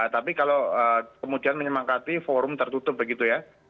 tapi kalau kemudian menyemangati forum tertutup begitu ya